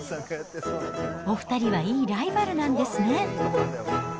お２人はいいライバルなんですね。